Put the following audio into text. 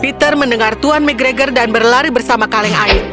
peter mendengar tuan mcgregor dan berlari bersama kaleng air